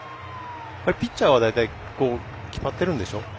ピッチャーは大体決まっているんですよね。